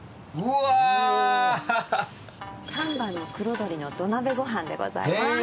丹波の黒鶏の土鍋ご飯でございます。